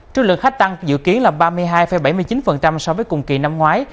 trước lượng khách tăng dự kiến là ba mươi hai bảy mươi chín so với cùng kỳ năm ngoái